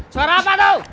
suara apa dong